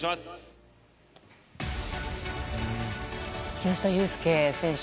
木下雄介選手